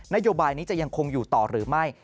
นโยบายนี้จะยังคงอยู่ต่อหรือไม่